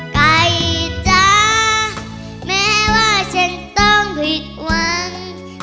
ไก่จ๊ะแม้ว่าฉันต้องผิดหวัง